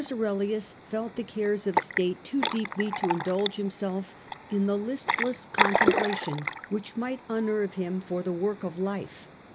Aurelius felt the cares of state too deeply to indulge himself in the listless contemplation which might unnerve him for the work of life.